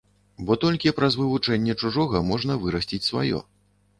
Бо толькі праз вывучэнне чужога можна вырасціць сваё.